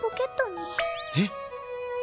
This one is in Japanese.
えっ。